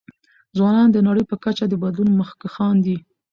ځوانان د نړۍ په کچه د بدلون مخکښان دي.